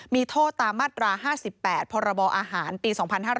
มีโทษตามมาตรา๕๘พรบอาหารปี๒๕๕๙